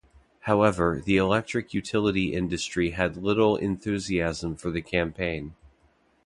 However, the electric utility industry had little enthusiasm for the campaign.